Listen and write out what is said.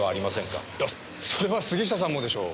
いやそれは杉下さんもでしょう。